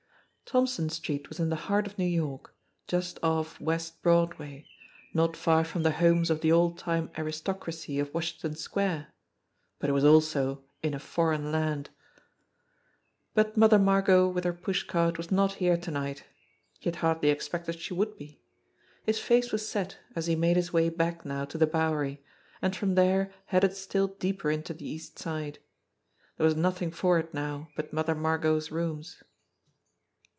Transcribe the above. Thompson Street was in the heart of New York, just off West Broadway, not far from the homes of the old time aristocracy of Wash ington Square, but it was also in a foreign land ! But Mother Margot with her pushcart was not here to night. He had hardly expected she would be. His face was set as he made his way back now to the Bowery, and from there headed still deeper into the East Side. There was nothing for it now but Mother Margot's rooms.